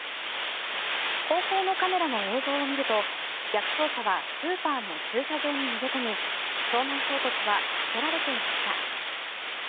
後方のカメラの映像を見ると逆走車はスーパーの駐車場に逃げ込み正面衝突は避けられていました。